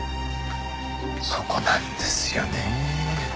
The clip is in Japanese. そこなんですよね。